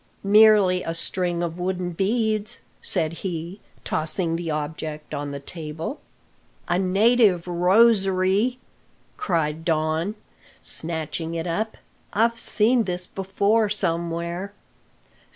"Merely a string of wooden beads," said he, tossing the object on the table. "A native rosary!" cried Don, snatching it up. "I've seen this before somewhere."